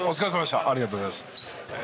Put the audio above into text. ありがとうございます。